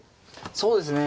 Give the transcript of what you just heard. そうですね。